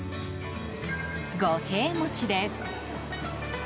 五平餅です。